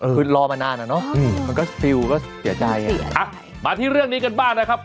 คือรอมานานอ่ะเนอะมันก็ซิลก็เสียใจอ่ะมาที่เรื่องนี้กันบ้างนะครับ